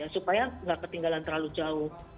supaya nggak ketinggalan terlalu jauh